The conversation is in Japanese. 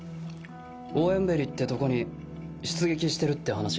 オエンベリってとこに出撃してるって話？